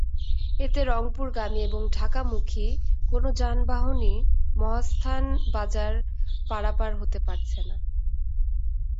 এতে রংপুরগামী এবং ঢাকামুখী কোনো যানবাহনই মহাস্থান বাজার পারাপার হতে পারছে না।